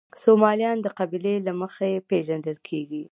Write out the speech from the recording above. سومالیان د قبیلې له مخې پېژندل کېږي.